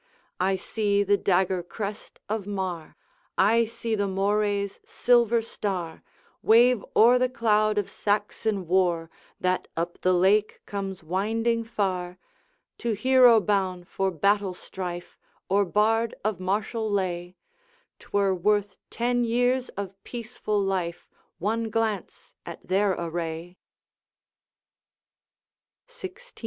I see the dagger crest of Mar, I see the Moray's silver star, Wave o'er the cloud of Saxon war, That up the lake comes winding far! To hero boune for battle strife, Or bard of martial lay, 'Twere worth ten years of peaceful life, One glance at their array! XVI.